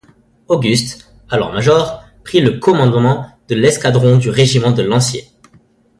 Auguste, alors major, prit le commandement de l’escadron du Régiment de Lanciers.